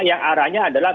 yang arahnya adalah